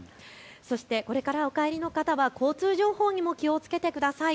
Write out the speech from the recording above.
そしてこれからお帰りの方は交通情報にも気をつけてください。